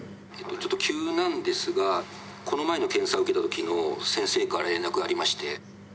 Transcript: ちょっと急なんですがこの前の検査受けたときの先生から連絡がありまして。